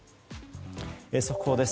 速報です。